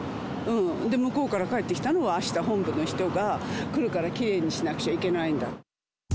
で、向こうから返ってきたのが、あした本部の人が来るから、きれいにしなくちゃいけないんだって。